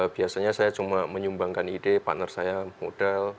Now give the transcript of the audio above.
biasanya saya cuma menyumbangkan ide partner saya modal